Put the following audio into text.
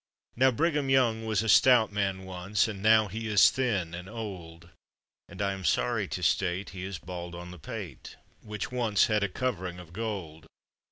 Now, Brigham Young was a stout man once, And now he is thin and old; And I am sorry to state he is bald on the pate, Which once had a covering of gold.